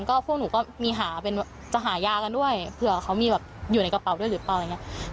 ก็พวกหนูก็มีหาเป็นจะหายากันด้วยเผื่อเขามีแบบอยู่ในกระเป๋าด้วยหรือเปล่าอะไรอย่างนี้